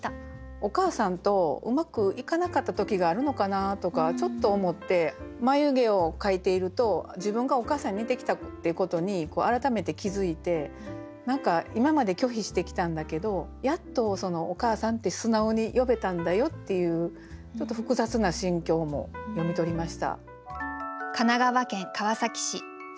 お母さんとうまくいかなかった時があるのかなとかちょっと思って眉毛を描いていると自分がお母さんに似てきたっていうことに改めて気付いて何か今まで拒否してきたんだけどやっと「おかあさん」って素直に呼べたんだよっていうちょっと複雑な心境も読み取りました。